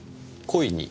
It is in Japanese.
故意に？